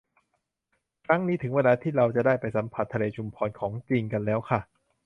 ครั้งนี้ถึงเวลาที่เราจะได้ไปสัมผัสทะเลชุมพรของจริงกันแล้วค่ะ